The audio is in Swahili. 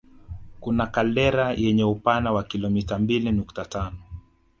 Kuna kaldera yenye upana wa kilomita mbili nukta tano